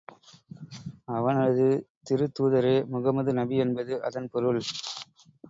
அவனது திருத்தூதரே முகமது நபி என்பது அதன் பொருள்.